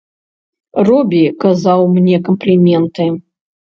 Робі казаў мне кампліменты.